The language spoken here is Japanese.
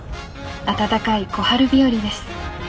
暖かい小春日和です。